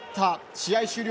試合終了